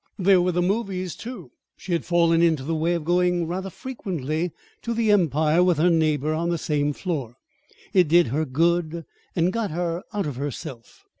There were the "movies" too. She had fallen into the way of going rather frequently to the Empire with her neighbor on the same floor. It did her good, and got her out of herself.